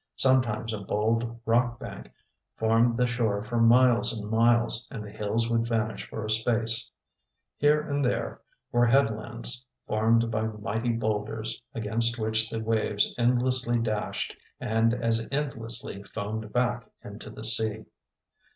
Sometimes a bold rock bank formed the shore for miles and miles, and the hills would vanish for a space. Here and there were headlands formed by mighty boulders, against which the waves endlessly dashed and as endlessly foamed back into the sea.